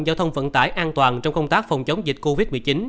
giao thông vận tải an toàn trong công tác phòng chống dịch covid một mươi chín